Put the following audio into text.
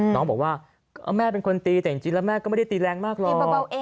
น้องบอกว่าแม่เป็นคนตีแต่จริงแล้วแม่ก็ไม่ได้ตีแรงมากหรอก